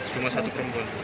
cuma satu perempuan